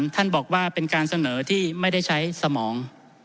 ท่านบอกว่าเป็นการเสนอที่ไม่ได้ใช้สมอง